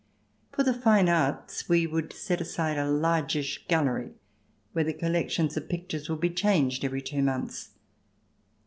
For the fine arts we would set aside a largish gallery, where the collections of pictures would be changed every two months.